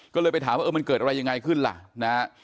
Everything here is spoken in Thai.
ก็เลยไปถามว่าเออมันเกิดอะไรยังไงขึ้นล่ะนะฮะ